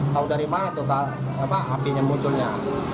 tau dari mana tuh apinya munculnya